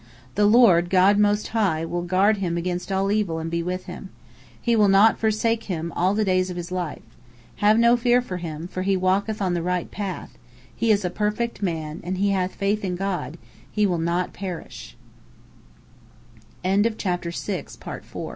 The Lord, God Most High, will guard him against all evil and be with him. He will not forsake him all the days of his life. Have no fear for him, for he walketh on the right path, he is a perfect man, and he hath faith in God—he will not peris